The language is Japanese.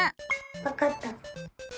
わかった！